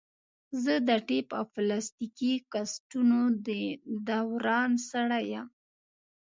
زه د ټیپ او پلاستیکي کسټونو د دوران سړی یم.